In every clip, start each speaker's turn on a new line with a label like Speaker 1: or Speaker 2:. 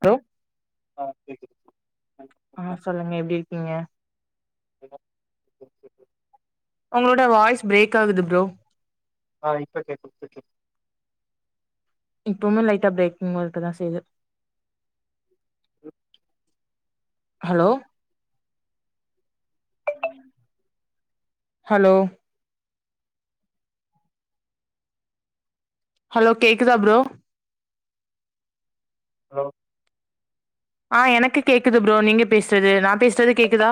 Speaker 1: Bro
Speaker 2: ஆ கேக்குது
Speaker 1: அ சொல்லுங்க எப்டி இருக்கீங்க
Speaker 2: [inaudible]
Speaker 1: உங்ளோட வாய்ஸ் ப்ரேக் ஆகுது ப்ரோ
Speaker 2: அ இப்ப கேக்கு இப்ப கேக்கு
Speaker 1: இப்பவ்மே லைட்டா ப்ரேக்கிங் ஒர்க்கு தா செய்து ஹலோ ஹலோ ஹலோ கேக்குதா ப்ரோ
Speaker 2: ஹலோ
Speaker 1: ஆ எனக்கு கேக்குது ப்ரோ நீங்க பேசறது நா பேசறது கேக்குதா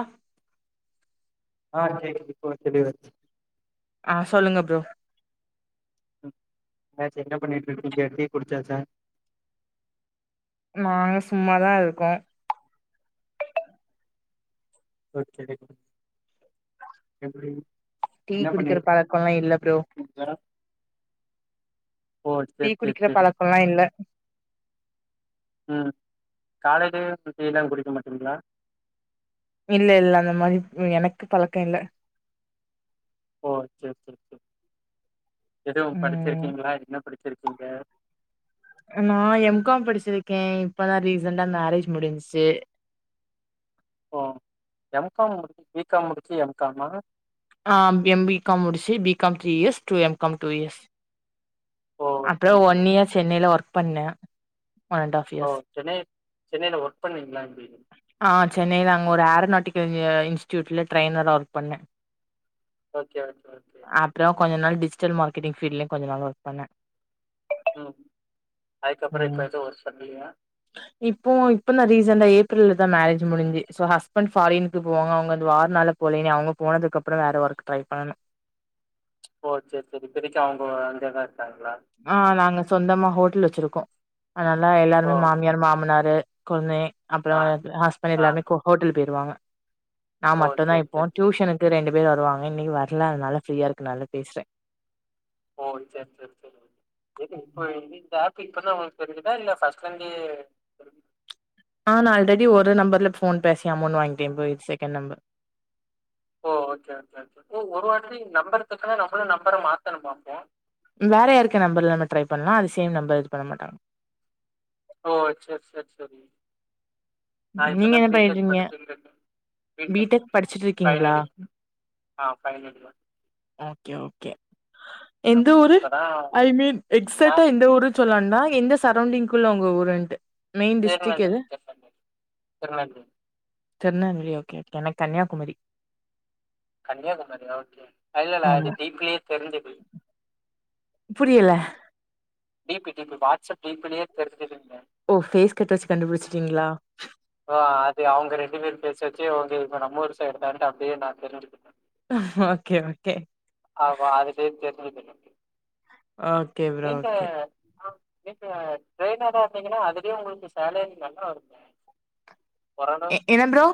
Speaker 2: ஆ கேக்குது இப்போ தெளிவா
Speaker 1: அ சொல்லுங்க ப்ரோ
Speaker 2: ம் என்னாச்சு என்ன பண்ணிட்டுருக்கீங்க டீ குடுச்சாசா
Speaker 1: நாங்க சும்மாதா இருக்கோ
Speaker 2: ஓகே நன்றி
Speaker 1: டீ
Speaker 2: என்ன
Speaker 1: குடிக்கிற
Speaker 2: பண்ணிட்ரு
Speaker 1: பழக்கோல்லா இல்ல ப்ரோ
Speaker 2: [unintelligible] ஓ
Speaker 1: டீ
Speaker 2: சேரி சேரி
Speaker 1: குடிக்கிற
Speaker 2: சேரி
Speaker 1: பழக்கோல்லா இல்ல
Speaker 2: ம் காலைல டீயெல்லா குடிக்க மாட்டீங்ளா
Speaker 1: இல்ல இல்ல அந்த மாரி எனக்கு பழக்கோ இல்ல
Speaker 2: ஓ சேரி சேரி சேரி எதுவும்
Speaker 1: ம்
Speaker 2: படிச்சிருக்கீங்ளா என்ன படிச்சிருக்கீங்க
Speaker 1: நா எம் காம் படிச்சிருக்கேன் இப்பதா ரீசன்டா மேரேஜ் முடிஞ்ச்சு
Speaker 2: ஓ எம் காம் முடிச் பி காம் முடிச்சு எம் காமா
Speaker 1: ஆ எம் பீ காம் முடிச்சு B com three years two M com two years
Speaker 2: ஓ okay
Speaker 1: after
Speaker 2: okay
Speaker 1: one year சென்னைல ஒர்க் பண்ண
Speaker 2: ஓ சென்னை சென்னைல ஒர்க் பண்ணுனீங்ளா எப்டி
Speaker 1: ஆ சென்னைல அங்க ஒரு ஏரோநாட்டிக்கல் இன்ஜி இன்ஸ்டியூட்ல ட்ரெய்னரா ஒர்க் பண்ண
Speaker 2: ஓகே ஓகே ஓகே
Speaker 1: அப்றோ கொஞ்ச நாள் டிஜிட்டல் மார்கெட்டிங் ஃபீல்ட்லயு கொஞ்ச நாள் ஒர்க் பண்ண
Speaker 2: ம் அதுக்கப்றோ
Speaker 1: ம்
Speaker 2: இப்ப எது ஒர்க் பண்லியா
Speaker 1: இப்போ இப்பந்தா ரீசெண்டா ஏப்ரல்லதா மேரேஜ் முடிஞ்சு ஸோ ஹஸ்பண்ட் ஃபாரினுக்கு போவாங்க அவுங்க இந்த வார்னால போல இனி அவுங்க போனதக்கப்றோ வேற ஒர்க் ட்ரை பண்ணணு
Speaker 2: ஓ சேரி சேரி இப்பதைக்கு அவுங்கோ அ அங்கதா இருக்காங்ளா
Speaker 1: அ நாங்க சொந்தமா ஹோட்டல் வெச்சுருக்கோ அதனால
Speaker 2: ஓ!
Speaker 1: எல்லாருமே மாமியார் மாமனாரு கொழுந்தே அப்றோ
Speaker 2: ஆ,
Speaker 1: அ ஹஸ்பண்ட்
Speaker 2: ஆ.
Speaker 1: எல்லாருமே ஹோ ஹோட்டல் போயிருவாங்க நா
Speaker 2: ஓ!
Speaker 1: மட்டுந்தா
Speaker 2: சரி,
Speaker 1: இப்போ
Speaker 2: சரி, சரி.
Speaker 1: ட்யூசனுக்கு ரெண்டு பேர் வருவாங்க இன்னைக்கு வர்ல அதனால ஃப்ரீயா இருக்கனால பேசற
Speaker 2: ஓ சரி சரி சரி [unintelligible] இப்போ [unintelligible] இப்ப இப்பதா உங்களுக்கு தெரிஞ்சுதா இல்ல ஃபர்ஸ்ட்லிந்தே தெரு
Speaker 1: ஆ நா அல்ரெடி ஒரு நம்பர்ல ஃபோன் பேசி அமௌண்ட் வாங்டே இப்ப இது செகண்ட் நம்பர்
Speaker 2: ஓ ஓகே ஓகே ஓகே ஓ ஒருவாட்டி நம்பருதக்கா நம்பளே நம்பர மாத்தணுமா அப்போ
Speaker 1: வேற யாருக்கா நம்பர்ல நம்ம ட்ரை பண்லா அது சேம் நம்பர் இது பண்ண மாட்டாங்க
Speaker 2: ஓ சேர் சேர் சேரி நா
Speaker 1: நீங்க
Speaker 2: இப்பதா
Speaker 1: என்ன
Speaker 2: பி டெக்
Speaker 1: பண்ணிட்ருக்கீங்க
Speaker 2: படிச்சின்டுருக்கேன் பி டெக் ஃபைனல் இயர் ஆ ஃபைனல் இயர்
Speaker 1: ஓகே ஓகே எந்த
Speaker 2: ஆமா.
Speaker 1: ஊரு
Speaker 2: இப்பதான்
Speaker 1: ஐ மீண் எக்சாட்டா
Speaker 2: நான்
Speaker 1: எந்த ஊரு சொல்லான்டா எந்த சரௌண்டிங்குள்ள உங்க ஊருன்ட்டு மெயின் டிஸ்ட்ரிக்
Speaker 2: திருநெல்வேலி கிட்ட திருநெல்வேலி
Speaker 1: திருநெவேலி ஓகே எனக்கு கன்யாகுமரி
Speaker 2: கன்யாகுமரியா ஓகே இல்லல்ல
Speaker 1: ஆமா
Speaker 2: அது டி பிலயே தெரிஞ்சுது
Speaker 1: புரில
Speaker 2: D P D P WhatsApp clean பண்ணியே தெரிஞ்சுதுன
Speaker 1: ஓ ஃபேஸ் கட் வச்சு கண்டுபிச்சிங்‌லா
Speaker 2: ஆ அது அவங்க ரெண்டு பேர் ஃபேஸ் வச்சு அவங்க இப்ப நம்ம ஊர் சைடு தான்ட்டு தம்பியு நானு தெரிஞ்சுக்கிட்டே
Speaker 1: ஓகே ஓகே
Speaker 2: ஆமா அது [unintelligible]
Speaker 1: ஓகே ப்ரோ
Speaker 2: நீங்க
Speaker 1: ஓகே
Speaker 2: ஆ நீங்க ட்ரெயினரா வந்தீங்கன்னா அதுலயு உங்களுக்கு சேலரி நல்லா இருக்குமே
Speaker 1: எ என்ன ப்ரோ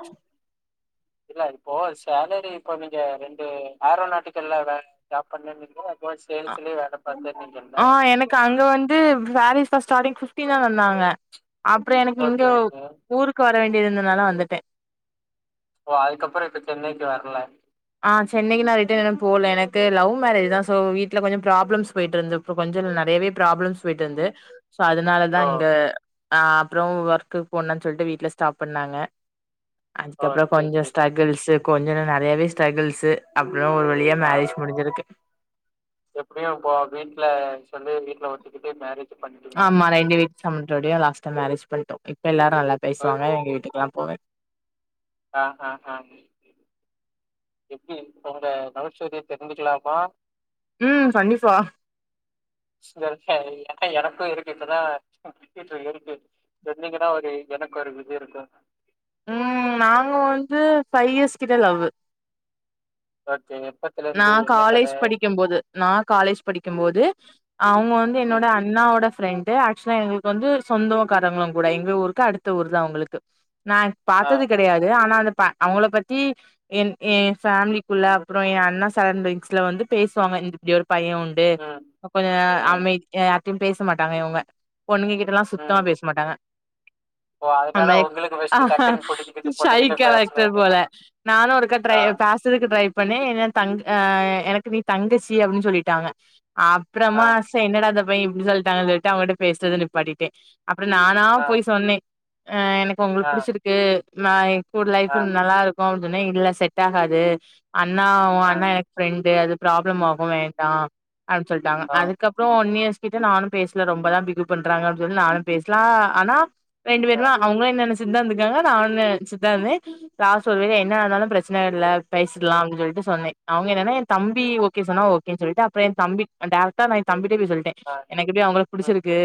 Speaker 2: இல்ல இப்போ சேலரி இப்போ நீங்க ரெண்டு ஏரோநாட்டிக்கல்ல ஜாப் பண்ணனிங்க ப்போ
Speaker 1: ஆ
Speaker 2: சேல்ஸ்லே வேலை பாத்தன்னீங்லா
Speaker 1: ஆ எனக்கு அங்க வந்து ஃபாரிஸ் ஃபஸ்ட் ஸ்டாடிங் பிப்டி தா தந்தாங்க அப்றோ எனக்கு இங்க
Speaker 2: ஓகே ஓகே.
Speaker 1: ஊருக்கு வர வேண்டியது இருந்ததுனால வந்துட்டே
Speaker 2: ஓ அதுக்கப்றோ இப்ப சென்னைக்கு வரல
Speaker 1: ஆ சென்னைக்கு நான் ரிட்டன் இன்னு போல எனக்கு லவ் மேரேஜ் தா சோ வீட்ல கொஞ்ச ப்ராப்ளம்ஸ் போயிட்டுருந் அப்றோ கொஞ்ச இல்ல நெறையாவே ப்ராப்ளம்ஸ் போயிட்டுயிருந்து சோ அதனாலதா
Speaker 2: ஓ!
Speaker 1: இங்க ஆ அப்றோ ஒர்க்கக்கு போனான்னு சொல்லிட்டு வீட்ல ஸ்டாப் பண்ணாங்க
Speaker 2: ஓ
Speaker 1: அதுக்கப்றோ
Speaker 2: சேரி
Speaker 1: கொஞ்ச
Speaker 2: சேரி சேரி
Speaker 1: ஸ்ட்ரகள்ஸ்சு கொஞ்ச இல்ல நிறையாவே ஸ்ட்ரகள்ஸ்சு அப்றோ ஒரு வ ழியா
Speaker 2: ஆ
Speaker 1: மேரேஜ் முடிஞ்சிருக்கு
Speaker 2: எப்டியு இப்ப வீட்ல சொல்லி வீட்ல ஒத்துகிட்டு மேரேஜ் பண்ணிட்டீங்க
Speaker 1: ஆமா ரெண்டு வீட்டு சம்மண்டோடையு லாஸ்டா மேரேஜ் பன்ட்டோ இப்ப எல்லாரு நல்லா
Speaker 2: ஓகே
Speaker 1: பேசுவாங்க எங்க
Speaker 2: ஓகே
Speaker 1: வீட்டுக்குல்லா போவே
Speaker 2: ஆ ஆ ஆ எப்டி உங்க லவ் ஸ்டோரிய தெரிஞ்சுக்கலாமா
Speaker 1: ம் கண்டிப்பா
Speaker 2: சரி ஏன்னா எனக்கு இருக்கு இப்பதா ட்டு ஏறிட்டு இருக்கு சொன்னீங்ன்னா ஒரு எனக்கு ஒரு இது இருக்கு
Speaker 1: ம் நாங்க வந்து ஃபைவ் இயர்ஸ் கிட்ட லவு
Speaker 2: ஓகே எப்ப
Speaker 1: நா காலேஜ் படிக்கு போது நா காலேஜ் படிக்கு போது அவங்க வந்து என்னோட
Speaker 2: ம்
Speaker 1: அன் ண்ணாவோட ஃப்ரெண்டு ஆக்சுவலா எங்களுக்கு வந்து சொந்த காரங்களு கூட எங்க ஊருக்கு அடுத்த ஊர் தா அவங்களுக்கு ந
Speaker 2: ஆ
Speaker 1: பாத்தது கிடையாது ஆனா அந்த ப அவங்கள பத்தி என் ஏ ஃபேமிலிக்குள்ள அப்றோ ஏ அண்ணா சரவுண்டிங்ஸ்ல வந்து பேசுவாங்க இந்த இப்டி ஒரு பைய உண்டு
Speaker 2: ம்
Speaker 1: கொஞ்ச
Speaker 2: ம்
Speaker 1: அமைதி யார்டயும் பேச மாட்டாங்க இவங்க பொண்ணுங்க கிட்ட எல்லா சுத்தமா
Speaker 2: ம்
Speaker 1: பேச மாட்டாங்க
Speaker 2: ஓ அதனால
Speaker 1: மேக்
Speaker 2: உங்களுக்கு பெஸ்ட்டு டக்குன்னு புடிச்சுக்கிட்டு
Speaker 1: சை
Speaker 2: பொண்ணுகிட்ட
Speaker 1: கேரக்டர் போல
Speaker 2: பேசணும்னு
Speaker 1: நானு ஒருக ட்ரை
Speaker 2: ஆ
Speaker 1: பாஸ் சறதுக்கு ட்ரை பண்ணே ஏ தங் ஆ ஆ எனக்கு நீ தங்கச்சி அப்டின்னு சொல்லிட்டாங்க அப்
Speaker 2: ஆ
Speaker 1: றோமா சே என்னடா இந்த பைய இப்டி சொல்லிட்டாங்களே சொல்லிட்டு அவங்கிட்ட பேசுறது நிப்பாட்டிடே அப்றோ நானா
Speaker 2: ஆ
Speaker 1: போய் சொன்னே ஆ எனக்கு உங்கள
Speaker 2: ஆ
Speaker 1: புடிச்சிருக்கு நா ஏ கூட லைஃப்
Speaker 2: ஆ
Speaker 1: நல்லா இருக் கு சொன்னே இல்ல செட் ஆகாது அண்ணா ஒ
Speaker 2: ஆ
Speaker 1: அண்ணா எனக் ப்ரெண்டு அது ப்ராப்ளம் ஆகு வேண்டா அப்டின்னு சொல்லிட்டாங்க
Speaker 2: ஆ
Speaker 1: அதுக்கப் றோ ஒன் இயர்ஸ் கிட்ட நானு பேசல ரொம்பதா பிகு பண்றாங்க சொல்லி நானு பேசல ஆனா ரெண்டு
Speaker 2: ஆ
Speaker 1: பேருமா அவங்களு என்ன நினச்சுதாயிருந்துருக்காங்க நானு நினச்சுதா இருந்தே லாஸ்ட் ஒருவேல என்ன ஆனாலு பிரச்சன இல்ல பேசிக்லா அப்டின்னு சொல்ட்டு சொன்னே அவங்க என்னான ஏ தம்பி ஓகே சொன்னா ஓகே சொல்லிட்டுஅப்றோ ஏ தம்பி டைரக்டா நா ஏ தம்பிட்டே போய் சொல்ட்டே
Speaker 2: ஆ
Speaker 1: எனக்கு எப்டி அவங்கள
Speaker 2: ம் ம்
Speaker 1: புடிச்சிருக்கு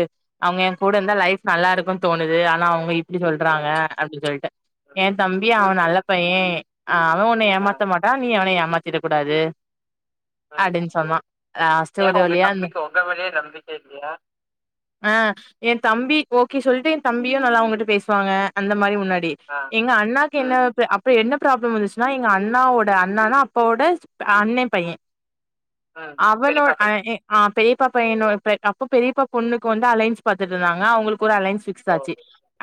Speaker 1: அவங்க ஏ கூட இருந்தா
Speaker 2: ம்
Speaker 1: லைஃப் நல்லா இருக்கு தோணுது ஆனா அவங்க இப் டி சொல்றாங்க அப்டி சொல்ட்டு
Speaker 2: ம்
Speaker 1: ஏ தம்பி அவ
Speaker 2: ஓகே
Speaker 1: நல்ல
Speaker 2: ஓகே
Speaker 1: பைய
Speaker 2: ஓகே
Speaker 1: அவ ஒண்ண
Speaker 2: ஆ
Speaker 1: ஏமாத்த மாட் டா நீ அவன ஏமாத்திட கூடாது
Speaker 2: ம்
Speaker 1: அப்டினு சொன்னா லாஸ்டு
Speaker 2: ஏன்
Speaker 1: ஒரு
Speaker 2: உங்க
Speaker 1: வழியா அந்
Speaker 2: தம்பிக்கு உங்க மேலயே நம்பிக்கை இல்லையா?
Speaker 1: ஆ என் தம்பிக் ஓகே சொல்ட்டு எ தம்பியு நல்லா அவ்ங்கட்ட பேசுவாங்க அந்தமாரி முன்னாடி
Speaker 2: ஆ
Speaker 1: எங்க அண்ணாக்கு என்ன
Speaker 2: ம்
Speaker 1: ப்ப அப்ப என்ன ப்ராப்ளம் வந்துச்சுன்னா எங்க அண்ணாவோட அண்ணான போட அண்ணே பையே
Speaker 2: ம் பெரியப்பா
Speaker 1: அவனோட் அவ
Speaker 2: பையன்
Speaker 1: இ ஆ பெரியப்பா பையனோ பல அ அப்ப பெரிப்பா பொண்ணுக்கு வந்து அலைய்ன்ஸ் பாத்துட்டு இருந்தாங்க அவுங்களுக்கு ஒரு அலைய்ன்ஸ் ஃபி
Speaker 2: ஓ
Speaker 1: க்ஸாச்சி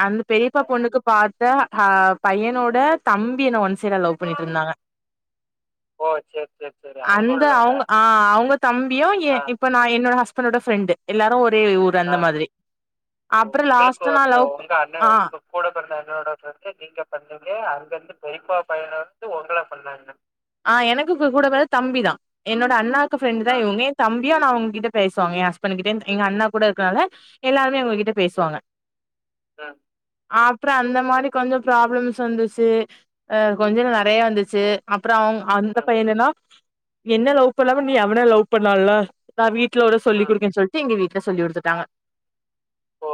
Speaker 1: அந்த பெரியப்பா
Speaker 2: ஆ
Speaker 1: பொண்ணுக்கு பாத்த அ பையனோட தம்பி என்ன ஒன் சைடா லவ் பண்ணிட்டு இருந்தாங்க
Speaker 2: ஓ சேர் சேர்
Speaker 1: அந்த அவுங்க ஆ அவுங்க தம்பியு ஏ
Speaker 2: ஆ
Speaker 1: இப்ப நா என்னோட ஹஸ்பண்டோட ஃப்ரெண்டு எல்லாரு ஒரே ஊ ரு
Speaker 2: ஆ
Speaker 1: அந்த மாதிரி
Speaker 2: ஓ
Speaker 1: அப்பற
Speaker 2: உங்களுக்கு
Speaker 1: லாஸ்டா நா
Speaker 2: வந்து
Speaker 1: லவ்
Speaker 2: உங்க
Speaker 1: பண்
Speaker 2: அண்ண
Speaker 1: ஆ
Speaker 2: உங்க கூட பிறந்த அண்ணோட ஃப்ரெண்ட நீங்க பண்ணீங்க அங்கருந்து பெரிப்பா பையன வந்து உங்கள பண்ணாங்க
Speaker 1: ஆ எனக்கு கூ கூட பொறந்த தம்பி தா என்னோட அண்ணாக்கு ஃப்ரெண்டுதா
Speaker 2: ஆ
Speaker 1: இவங்க தம்பியா நா அவுங்கிட்ட பேசுவாங்க எ ஹஸ்பணுகிட்டேந்து எங்க அண்ணா கூட இருக்கனால எல்லாமே அவுங்ககிட்ட
Speaker 2: ம்
Speaker 1: பேசுவாங்க
Speaker 2: ம்
Speaker 1: அப்றோ அந்த மாரி கொஞ்சோ ப்ராப்ளம்ஸ் வந்துச்சு அ கொஞ்ச இல்ல நெறய வந்துச்சு அப் அப்ற அவ்ங் அந்த
Speaker 2: ம்
Speaker 1: பைய என்னன்னா என்ன லவ் பண்ணாம நீ அவன லவ் பண்ணால நா வீட்ல ஒரு சொல்லி
Speaker 2: ம்
Speaker 1: குடுக்கேன் சொல்ட்டு எங்க வீட்ல சொல்லி குடுத்துட்டாங்க
Speaker 2: ஓ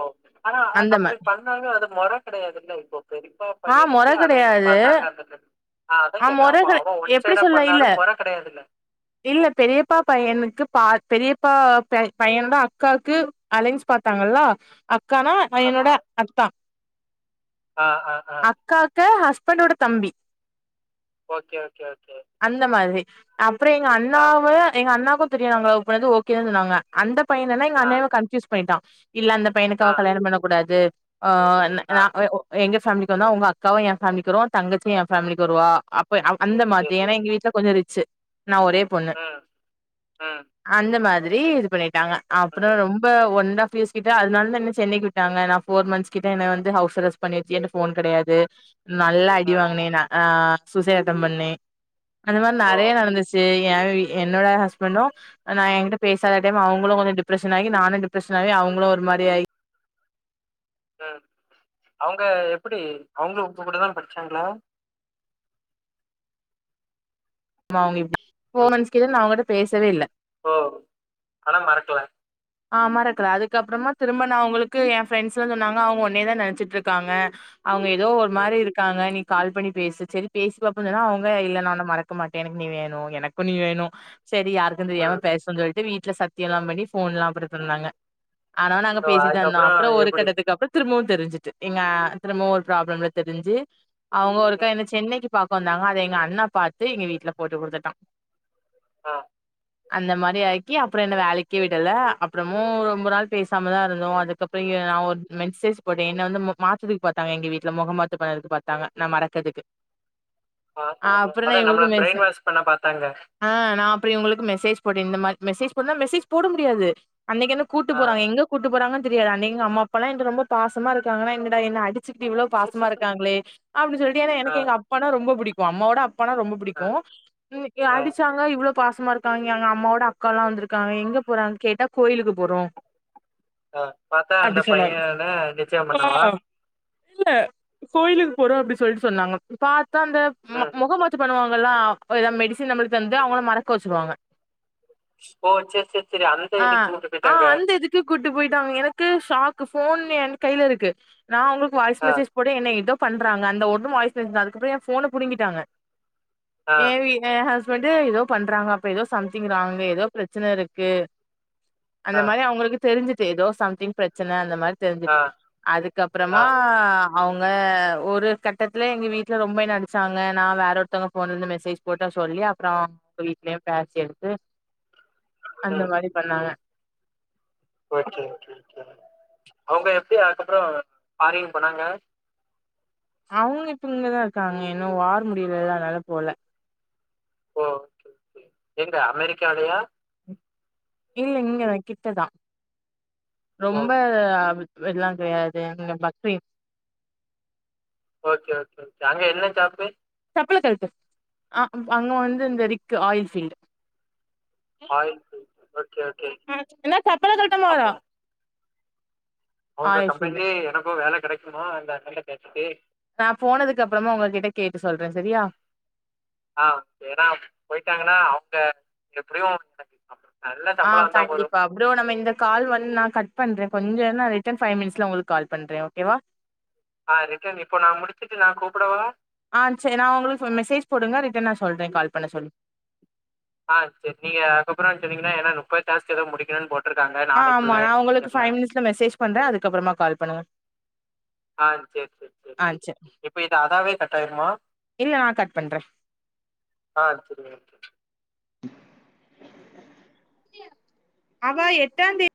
Speaker 2: ஆனா
Speaker 1: அந்த மா
Speaker 2: அப்பிடி பண்ணாலு அது மொற கெடையாதில்ல இப்போ பெரிப்பா
Speaker 1: ஆ மொற
Speaker 2: பையனுக்கு அலைன்ஸ்
Speaker 1: கெடையாது
Speaker 2: பாத்தாங்கன்ருத்துக் அதாங் கேட்டே அப்ப அவ உன்
Speaker 1: இப்பிடி சொல்ல இல்ல இல்ல பெரியப்பா பையனுக்கு பாத் பெரியப்பா பே பையனந்தா அக்காவுக்கு அலைன்ஸ் பாத்தாங்களா அக்கானா பையனோட
Speaker 2: ஆமா.
Speaker 1: அத்தா
Speaker 2: ஆ, ஆ, ஆ.
Speaker 1: அக்காக்கு ஹஸ்பண்டோட தம்பி
Speaker 2: ஓகே ஓகே ஓகே
Speaker 1: அந்த மாதிரி அப்ற எங்க
Speaker 2: ஆ,
Speaker 1: அண்ணாவு எங்க அண்ணாக்கு தெரியு நாங்க லவ் பண்ணது ஓகேதா சொன்னாங்க அந்த பைய என்னனா
Speaker 2: ஆ,
Speaker 1: எங்கண்ணாவ கன்ஃப்யூஸ் பண்ணிட்டா இல்ல அந்த பையனுக்கு
Speaker 2: ஆ,
Speaker 1: அவ கல்யாணம் பண்ணக் கூடாது ஆ அண்
Speaker 2: ஆ.
Speaker 1: நா எ உ எங்க ஃபேமிலிக்கு வந்தா உங்க அக்காவு எ ஃபேமிலிக்கு வருவா உ தங்கச்சி எ ஃபேமிலிக்கு வருவா அப்ப அவ் அந்த
Speaker 2: சரி,
Speaker 1: மாத்ரி ஏனா எங்க வீட்ல கொஞ்சோ ரிச்சு நா ஒரே பொண்ணு
Speaker 2: அ அ
Speaker 1: அந்த மாதிரி இது பண்ணிட்டாங்க
Speaker 2: ம்,
Speaker 1: அப்பறோ ரொம்ப ஒன்னா ஃப்யூஸ் கிட்ட அதனால என்ன சென்னைக்கு விட்டாங்க நா ஃபோர் மந்த்ஸ் கிட்ட என்ன வந்து ஹவுஸ் அரஸ் பண்ணி வெச்சி என்ட ஃபோன் கெடையாது நல்லா அடி
Speaker 2: ம்.
Speaker 1: வாங்குனே ஆ சூசேட் அட்டன் பண்ணே அந்த மாரி
Speaker 2: ஓ!
Speaker 1: நெறய நடந்துச் து எ வீ என்னோட
Speaker 2: அ,
Speaker 1: ஹஸ்பண்டு நா எங்கிட்ட பேசாத டைம் அவேங்களு கொஞ்ச டிப்ரஷனாகி நானு டிப்ரஷனாயி அவுங்களு ஒரு மாரி ஆயி
Speaker 2: ம் அவுங்க எப்படி அவுங்க உங்க கூடதா படிச்சாங்ளா
Speaker 1: ஆமா அவுங்க இப்டி ஃபோர்
Speaker 2: ம்.
Speaker 1: மந்த்ஸ் கிட்ட நா அவுங்கட்ட பேசவே இல்ல
Speaker 2: ஓ ஆனா மறக்கல
Speaker 1: ஆ மறக்கல அதுக்கப்றமா திரும்ப நா அவுங்களுக்கு எ ஃப்ரெண்ட்ஸ்ல்லா சொன்னாங்க அவுங்க உன்னைவே நெனச்சிட்ருக்காங்க அவுங்க எதோ ஒரு
Speaker 2: ம்,
Speaker 1: மாரி இருக்காங்க நீ கால் பண்ணி பேசு செரி பேசி பாப்போனுதா அவுங்க இல்ல நா உன்ன மறக்க மாட்டே எனக்கு நீ வேணு எனக்கு நீ வேணு செரி யாருக்கு தெரியாம
Speaker 2: ம்.
Speaker 1: பேச சொல்ட்டு வீட்ல சத்தியெல்லாம் பண்ணி ஃபோன்ல்லா அப்பற பண்ணாங்க ஆனாலு நாங்க
Speaker 2: ஓ!
Speaker 1: பேசிட் தா இருந்தோ
Speaker 2: அதுக்கப்புறம்
Speaker 1: அப்றோ ஒரு
Speaker 2: எப்படி?
Speaker 1: கட்டத்துக்கப் திரும்பவு தெரிஞ்சுட்டு எங்க திரும்பவு ஒரு ப்ராப்ளம்ல தெரிஞ்சு அவுங்க ஒருக்கா
Speaker 2: ம்.
Speaker 1: என்ன சென்னைக்கு பாக்க வந்தாங்க அதைஎங்க அண்ணா பாத்துஎங்க வீட்ல போட்டு குடுத்துட்டா
Speaker 2: ஆ
Speaker 1: அந்த மாரி ஆக்கி அப்பற என்ன வேலைக்கே விடல அப்றமும் ரொம்ப நாள் பேசாமதான் இருந்தோம் அதுக்கப்றோ நா ஒரு மெசேன்ஜ் போட்டே என்ன வந்து மு மாத் இதுக்கு பாத்தாங்க எங்க வீட்ல முகமாத்து படம் எடுத்து பாத்தாங்க நா மறக்கறதக்கு
Speaker 2: ஆ ஆ ஆ மேடம் நம்மள
Speaker 1: மெஸ்
Speaker 2: பிரைன் வாஷ் பண்ண பாத்தாங்க
Speaker 1: ஆ நா அப்டி உங்களுக்கு மெசேஜ் போட்டே இந்தமாரி மெசேஜ் போடுன்னா மெசேஜ் போட முடியாது அன்னெகென்ன கூட்டு
Speaker 2: ஆ.
Speaker 1: போறாங்க எங்க கூட்டு போறாங்கன்னு தெரியாது அன்னிக்கு எங்க அம்மா அப்பாலா ரொம்ப பாசமா இருக்காங்கனா எங்கடா என்ன அடிச் சிட்டு இவ்ளோ பாசமா இருக்காங்களே அப்டி சொல்லிட்டு எனா
Speaker 2: ஆ
Speaker 1: எங்க அப்பானா ரொம்ப பிடிக்கோ அம்மோட அப்பானா ரொம்போ
Speaker 2: ஆ
Speaker 1: புடிக்கு இன்னிக்கு
Speaker 2: ஆ
Speaker 1: அடிச்சா என்னா இவ்ளோ பாசமா இருக்காய்ங்க அம்மாவோட அக்கா லா வந்திருக்காங்களே எங்க போற கேட்டா கோயிலுக்கு போறோ
Speaker 2: ஆ பாத்தா
Speaker 1: அப்டி
Speaker 2: அந்த
Speaker 1: சொன்னார்
Speaker 2: பையன நிச்சயம்
Speaker 1: ஆ
Speaker 2: பண்ணவா?
Speaker 1: இல்ல கோயிலுக்கு போறோ அப்டி சொல்லிட்டு சொன்னாங்க பாத் தா அந்த
Speaker 2: ம்.
Speaker 1: முகமாத்து பண்ணுவாங்கல்ல எதா மெடிசின்னு நம்மளுக்கு தந்து அவ்ங்கள மறக்க வச்சுர்வாங்க
Speaker 2: ஓ செர் செரி செரி அததா இதுக்கு கூட்டு போயிட்டாங்க
Speaker 1: தத்து கூட்டு போயிட்டாங்க எனக்கு ஷாக்கு போன் என் கையில இருக்கு நா அவ்ங்களுக்கு வாய்ஸ்
Speaker 2: ஆ,
Speaker 1: மெசேஜ் கூட என்ன ஏதோ பண்றாங்க அந்த ஒன்னு வாய்ஸ் மெசேஜ் அதுக்கப்புரோ ஏ போன புடிகிட்டாங்க
Speaker 2: ஆ,
Speaker 1: ஏவி ஏ ஹஸ்பண்டு ஏதோ பண்றாங்க அப்ப ஏதோ சம்திங் ராங் ஏதோ ப்ரச்சனருக்கு அந்த
Speaker 2: ஆ,
Speaker 1: மாரி அவ்ங்களுக்கு தெரிஞ்சுட்டு ஏதோ சம்திங் ப்ரச்சன அந்த மாரி
Speaker 2: ஆ,
Speaker 1: தெரிஞ்சுட்டு
Speaker 2: ஆ,
Speaker 1: அதுக்கப்பற‌மா அவ்ங்க ஒரு கட்டத்துல எங்க வீட்டுல ரொம்ப என்ன அடிச்சாங்க நா வேறோர் த்தவ்ங்க போன்ல இருந்து மெசேஜ் போட்டே சோ அதுலே சொல்லி அப்றோ வீட்லே பேசி எடுது அந்த மாரி பண்ணாங்க
Speaker 2: அவுங்க எப்டி அதுக்கப்பறோ ஃபாரின் போனாங்களா
Speaker 1: அவுகளு இப்ப இங்கதா இருக்காங்க இன்னு வார் முடியலல அதனால போல
Speaker 2: ஓ ஓகே ஓகே எங்க அமெரிக்காலையா
Speaker 1: இல்ல இங்க கிட்டதா
Speaker 2: ஓ!
Speaker 1: ரொம்ப வெல்லாங் கெடையாது இங் க பஹ்ரெய்ன்
Speaker 2: ஓகே ஓகே ஓகே அங்கே என்ன ஜாபு
Speaker 1: சப்பலக் கழட்டு ஆ அங்க வந்து இந்த ரிக்கு oil field
Speaker 2: oil field. Okay, okay.
Speaker 1: என்ன சட்டய கயடுங்கோ
Speaker 2: அவுங்க
Speaker 1: ஃபீல்டு
Speaker 2: கம்பெனிலேயே எனக்கு வேல கெடக்குமா அந [unintelligible] கேட்டுட்டு
Speaker 1: நா போனதுக்கு அப்பறமா அவுங்ககிட்ட கேட்டு சொல்றே செரியா
Speaker 2: அ ஏனா போயிட்டாங்கன்னா அவுங்க எப்டியு
Speaker 1: ஆ கண்டிப்பா ப்ரோ நம்ம இந்த கால் வந்து நா கட் பண்றே கொஞ்சோ நா ரிட்டன் ஃபை மினிட்ஸ்ல உங்களுக்கு கால் பண்றே ஓகேவா
Speaker 2: அ ரிட்டன் இப்போ நா முடிச்சிட்டு நா கூப்டவா
Speaker 1: ஆ செரி நா உங்களுக்கு ஒரு மெசேஜ் போடுங்க ரிட்டன் நா சொல்றே கால் பண்ண சொல்லி
Speaker 2: ஆ செரி நீங்க அதுப்றோ‌ சொன்னீங்கன்னா ஏன்னா முப்பது டாஸ்க் ஏதோ முடிகணு போட் குடுத்துருக்காங்க
Speaker 1: ஆ ஆமா
Speaker 2: நாளைக்குள்ளே
Speaker 1: உங்களுக்கு
Speaker 2: தெர்ல
Speaker 1: ஃபைவ் நா மினிட்ஸ்ல மெசேஜ் பண்றே அதுக்கப்பறமா கால் பண்ணுங்க
Speaker 2: ஆ செர் செரி செரி
Speaker 1: ஆ சரி
Speaker 2: இப்ப அதாவே கட்டாயிடுமா
Speaker 1: இல்ல நா கட் பண்றே
Speaker 2: ஆ சரியாயிருச்சு
Speaker 1: அவ எட்டாந் தேதி